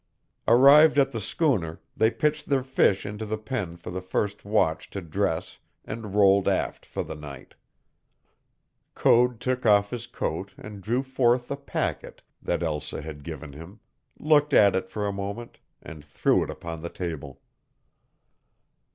Arrived at the schooner, they pitched their fish into the pen for the first watch to dress and rolled aft for the night. Code took off his coat and drew forth the packet that Elsa had given him, looked at it for a moment, and threw it upon the table.